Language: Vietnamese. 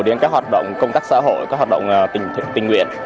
đến các hoạt động công tác xã hội các hoạt động tình nguyện